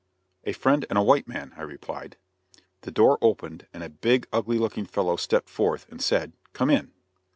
"A friend and a white man," I replied. The door opened, and a big, ugly looking fellow stepped, forth and said: "Come in."